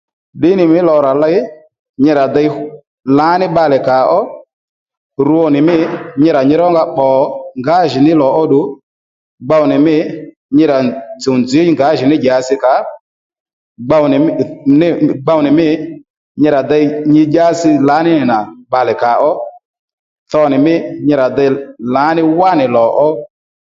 Ddǐnì mí lò rà ley nyi rà dey lǎní bbalè kàó rwo nì mî nyi rà nyi rónga pbò ngǎjìní lò óddù gbow nì mî nyi rà tsùw nzǐ ngǎjìní dyasi kà gbow nì mî nyi dey nyi dyási lǎní nì nà bbalè kàó tho nì mî nyi rà dey lǎní wánì lò ó